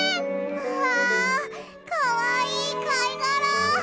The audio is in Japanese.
うわあかわいいかいがら！